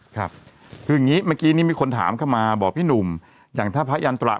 ครับคืออย่างนี้เมื่อกี้นี้มีคนถามเข้ามาบอกพี่หนุ่มอย่างถ้าพระยันตรา